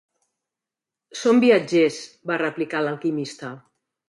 "Som viatgers", va replicar l'Alquimista.